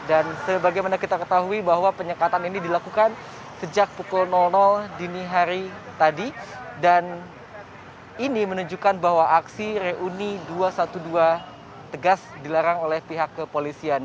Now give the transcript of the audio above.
dan sebagaimana kita ketahui bahwa penyekatan ini dilakukan sejak pukul dini hari tadi dan ini menunjukkan bahwa aksi reuni dua ratus dua belas tegas dilarang oleh pihak kepolisian